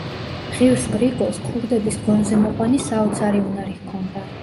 ღირს გრიგოლს ქურდების გონზე მოყვანის საოცარი უნარი ჰქონდა.